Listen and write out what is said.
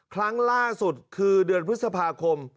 ครั้งล่าสุดคือเดือนพฤษภาคม